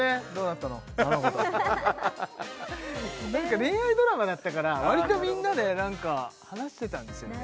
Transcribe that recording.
あの子と何か恋愛ドラマだったからわりとみんなで何か話してたんですよね